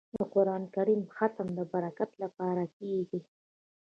د قران کریم ختم د برکت لپاره کیږي.